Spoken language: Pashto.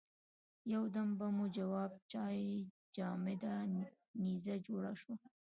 یو دم به مو جواب چای جامده نيزه جوړه شوه.